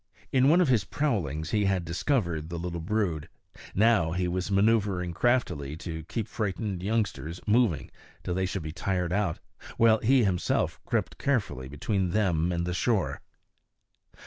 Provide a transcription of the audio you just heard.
In one of his prowlings he had discovered the little brood; now he was manœuvering craftily to keep the frightened youngsters moving till they should be tired out, while he himself crept carefully between them and the shore.